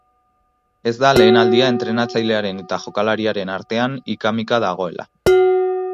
Ez da lehen aldia entrenatzailearen eta jokalariaren artean ika-mika dagoela.